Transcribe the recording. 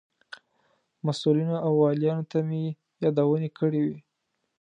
مسئولینو او والیانو ته مې یادونې کړې وې.